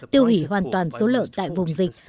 tiêu hủy hoàn toàn số lợn tại vùng dịch